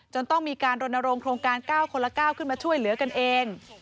ต้องมีการรณรงโครงการ๙คนละ๙ขึ้นมาช่วยเหลือกันเอง